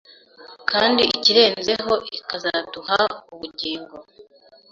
kandi ikirenzeho ikazaduha ubugingo ,